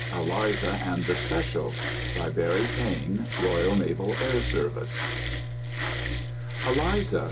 Eliza and the Special By Barry Pain Royal Naval Air Service "Eliza!"